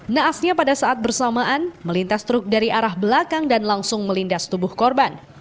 naasnya pada saat bersamaan melintas truk dari arah belakang dan langsung melindas tubuh korban